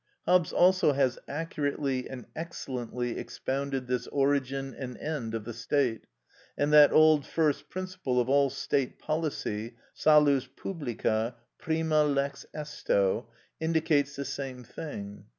Hobbes also has accurately and excellently expounded this origin and end of the state; and that old first principle of all state policy, salus publica prima lex esto, indicates the same thing.